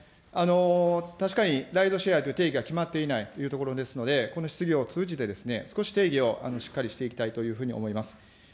確かにライドシェアという定義が決まっていないというところですので、この質疑を通じてですね、少し、定義をしっかりしていきたいというふうに思います。